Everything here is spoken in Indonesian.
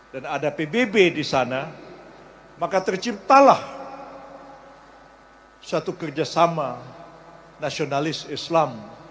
dan ada pbb di sana maka terciptalah suatu kerjasama nasionalis islam